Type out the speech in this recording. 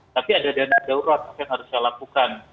tapi ada dana darurat yang harus saya lakukan